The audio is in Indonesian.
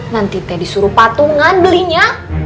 nanti teh disuruh patungan belinya